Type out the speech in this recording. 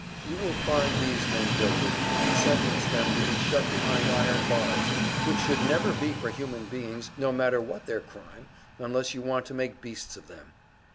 You will find these men guilty, and sentence them to be shut behind iron bars which should never be for human beings, no matter what their crime, unless you want to make beasts of them.